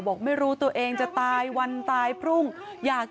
บอกไม่รู้ตัวเองจะตายวันตายพรุ่งอยาก